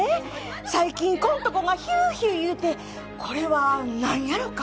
最近こんとこがヒューヒューいうてこれは何やろか？